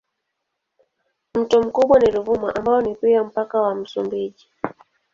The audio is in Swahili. Mto mkubwa ni Ruvuma ambao ni pia mpaka wa Msumbiji.